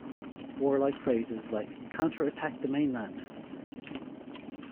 Warlike phrases like "Counterattack the mainland!